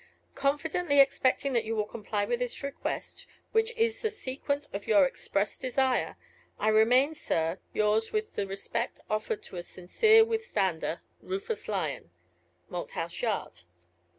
Confidently expecting that you will comply with this request, which is the sequence of your expressed desire, I remain, sir, yours, with the respect offered to a sincere withstander, RUFUS LYON, Malthouse Yard.